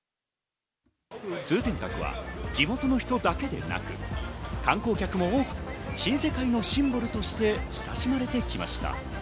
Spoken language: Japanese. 通天閣は地元の人だけでなく、観光客も多く集まる繁華街・新世界のシンボルとして親しまれてきました。